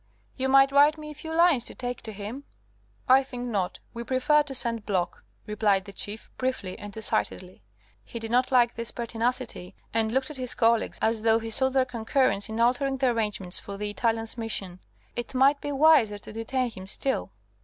"You might write me a few lines to take to him." "I think not. We prefer to send Block," replied the Chief, briefly and decidedly. He did not like this pertinacity, and looked at his colleagues as though he sought their concurrence in altering the arrangements for the Italian's mission. It might be wiser to detain him still.